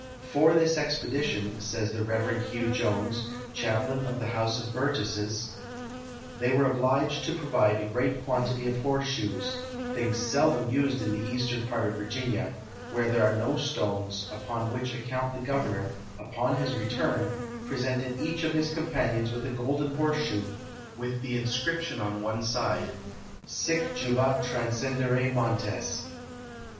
" For this exjiedition," says tlie Rev Hugh Jones, chaplain of the House of Burgesses, " they were obliged to provide a great quantity of horseshoes, things seldom used in the eastern part of Virginia, where there are no stones, upon which account the governor, upon his return, presented each of his companions with a golden horseshoe, with the inscription on one side — Sicjuvat tatmcendere montes.